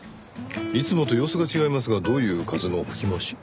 いつもと様子が違いますがどういう風の吹き回し？